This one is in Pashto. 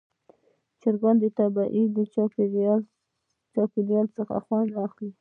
چرګان د خپل طبیعي چاپېریال څخه خوند اخلي.